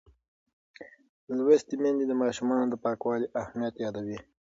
لوستې میندې د ماشومانو د پاکوالي اهمیت یادوي.